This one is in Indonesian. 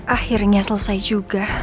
akhirnya selesai juga